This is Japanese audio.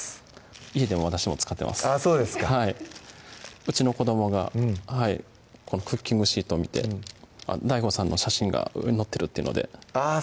家で私も使ってますあっそうですかうちの子どもがこのクッキングシートを見てＤＡＩＧＯさんの写真が載ってるっていうのであぁ